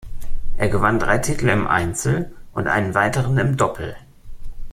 Er gewann drei Titel im Einzel und einen weiteren im Doppel.